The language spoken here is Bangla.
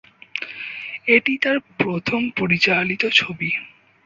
এটি তার প্রথম পরিচালিত ছবি।